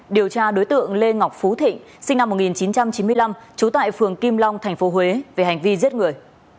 điều tra đối tượng lê ngọc phú thịnh sinh năm một nghìn chín trăm chín mươi năm trú tại phường kim long tp huế về hành vi giết người